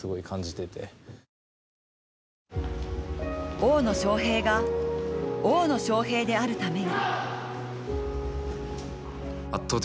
大野将平が大野将平であるために。